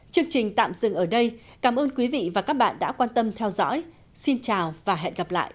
chương trình tạm dừng ở đây cảm ơn quý vị và các bạn đã quan tâm theo dõi xin chào và hẹn gặp lại